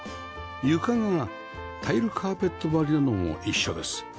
床がタイルカーペット張りなのも一緒です